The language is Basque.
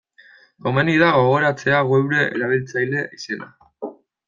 Komeni da gogoratzea geure erabiltzaile izena.